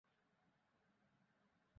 ফিরোজ ঘুমের মধ্যেই নড়ে উঠল।